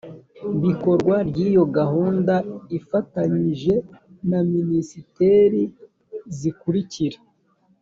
bikorwa ry iyo gahunda ifatanyije na minisiteri zikurikira